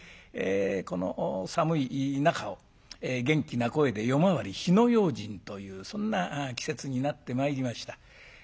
この寒い中を元気な声で夜回り火の用心というそんな季節になってまいりました。